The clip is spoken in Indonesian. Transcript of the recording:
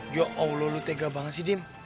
ya allah lo tega banget sih dim